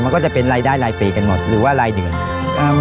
มันก็จะเป็นรายได้รายปีกันหมดหรือว่ารายเดือน